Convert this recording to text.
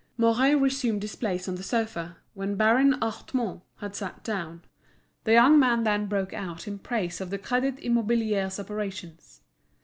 Mouret resumed his place on the sofa, when Baron Hartmann had sat down; the young man then broke out in praise of the Crédit Immobilier's operations.